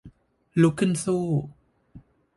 ลุกขึ้นสู้